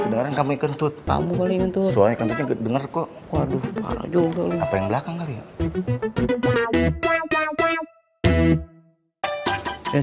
kedengeran kamu kentut kamu kali ngetut soalnya kentutnya kedenger kok waduh apa yang belakang